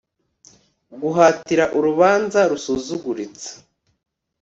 Guhatira urubanza rusuzuguritse